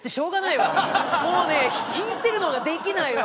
もうね引いてるのができないわ。